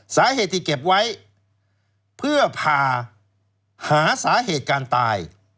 สาเหตุที่เก็บไว้เพื่อพาหาสาเหตุการตาย